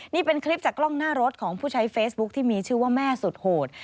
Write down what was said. นี่เป็นคลิปจากกล้องหน้ารถของผู้ใช้เฟซบุ๊คที่มีชื่อว่าแม่สุดโหด